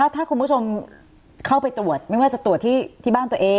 ถ้าคุณผู้ชมเข้าไปตรวจไม่ว่าจะตรวจที่บ้านตัวเอง